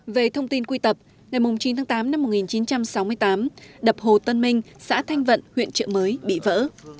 về thông tin quy tập ngày chín tháng tám năm một nghìn chín trăm sáu mươi tám đập hồ tân minh xã thanh vận huyện trợ mới bị vỡ